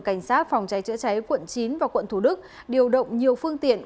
lực lượng cảnh sát phòng cháy chữa cháy quận chín và quận thủ đức điều động nhiều phương tiện